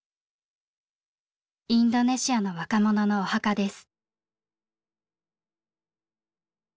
インドネシアの若者のお墓です。